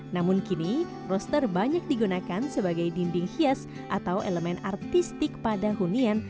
namun kini roster banyak digunakan sebagai dinding hias atau elemen artistik pada hunian